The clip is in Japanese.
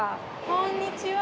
こんにちは。